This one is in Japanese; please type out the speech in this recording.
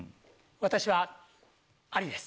私はありです。